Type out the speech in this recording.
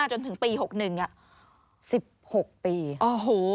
๔๕จนถึงปี๖๑อ่ะ